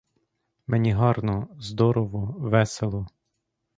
Мені гарно, здорово, весело.